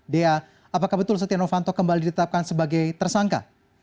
dea apakah betul setia novanto kembali ditetapkan sebagai tersangka